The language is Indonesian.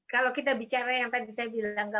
kalau kita bicara yang tadi saya bilang